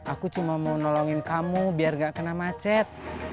aku cuma mau nolongin kamu biar gak kena macet